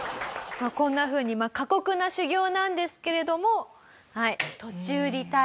こんなふうに過酷な修行なんですけれどもはい。